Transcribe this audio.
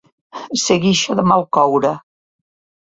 Ser guixa de mal coure.